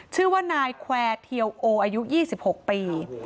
ชื่อว่านายแควร์เทียวโออายุ๒๖ปี